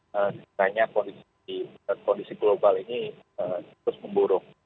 sebenarnya kondisi global ini terus memburuk